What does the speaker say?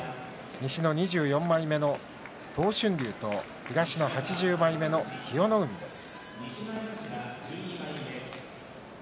西の２４枚目の東俊隆と東の８０枚目の清乃海です。